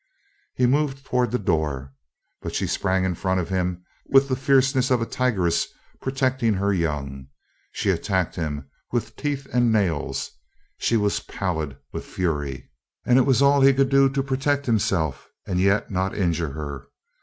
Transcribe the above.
He moved towards the door, but she sprang in front of him with the fierceness of a tigress protecting her young. She attacked him with teeth and nails. She was pallid with fury, and it was all he could do to protect himself and yet not injure her.